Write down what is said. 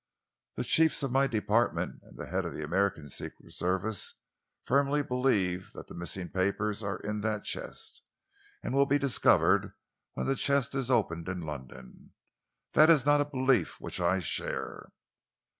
The chiefs of my department, and the head of the American Secret Service, firmly believe that the missing papers are in that chest and will be discovered when the chest is opened in London. That is not a belief which I share."